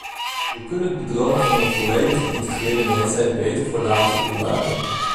We kunnen de droom van een volledig geïntegreerde mensheid beter voor later bewaren.